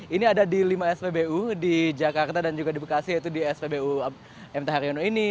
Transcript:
ini ada di lima spbu di jakarta dan juga di bekasi yaitu di spbu mt haryono ini